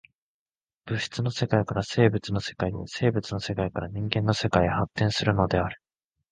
物質の世界から生物の世界へ、生物の世界から人間の世界へ発展するのである。